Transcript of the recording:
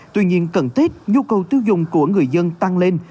tuy nhiên cần thiết nhu cầu tiêu dùng của người dân tăng lên